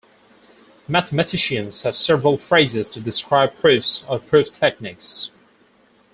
Mathematicians have several phrases to describe proofs or proof techniques.